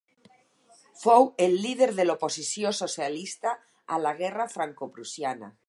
Fou el líder de l'oposició socialista a la guerra francoprussiana.